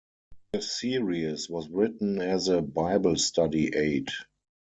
The series was written as a Bible study aid.